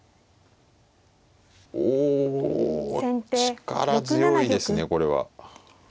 お力強いですねこれは。